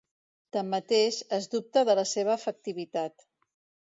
Tanmateix, es dubta de la seva efectivitat.